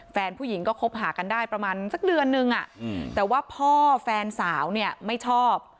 แฟนผู้หญิงก็คบหากันได้ประมาณสักเดือนนึงแต่ว่าพ่อแฟนสาวเนี่ยไม่ชอบ